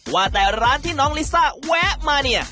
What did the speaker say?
ว่าแต่ร้านที่น้องลิซ่าแวะมาเนี่ย